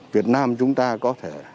việt nam chúng ta có thể